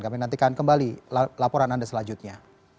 kami nantikan kembali laporan anda selanjutnya